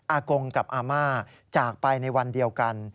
กงกับอาม่าจากไปในวันเดียวกัน